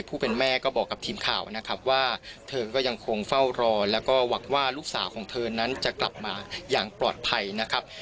ผู้เป็นแม่ก็บอกกับทีมข่าวนะครับว่าเธอก็ยังคงเฝ้ารอแล้วก็หวังว่าลูกสาวของเธอนั้นจะกลับมาอย่างปลอดภัยนะครับ